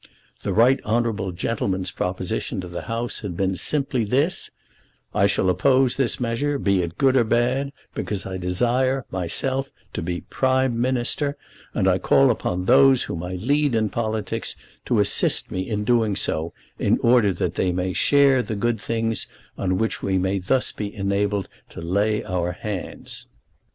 The right honourable gentleman's proposition to the House had been simply this; 'I shall oppose this measure, be it good or bad, because I desire, myself, to be Prime Minister, and I call upon those whom I lead in politics to assist me in doing so, in order that they may share the good things on which we may thus be enabled to lay our hands!'"